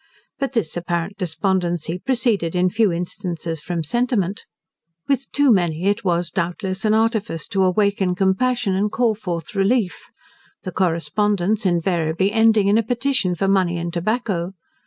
But this apparent despondency proceeded in few instances from sentiment. With too many it was, doubtless, an artifice to awaken compassion, and call forth relief; the correspondence invariably ending in a petition for money and tobacco.